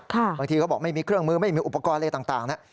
บางทีเขาบอกไม่มีเครื่องมือไม่มีอุปกรณ์อะไรต่างนะ